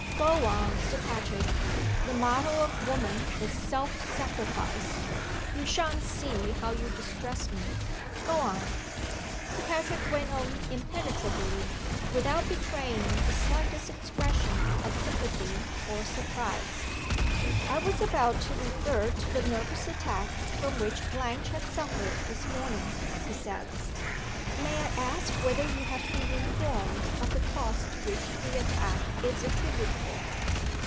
"Go on, Sir Patrick. The motto of woman is Self sacrifice. You sha'n't see how you distress me. Go on." Sir Patrick went on impenetrably without betraying the slightest expression of sympathy or surprise. "I was about to refer to the nervous attack from which Blanche has suffered this morning," he said. "May I ask whether you have been informed of the cause to which the attack is attributable?"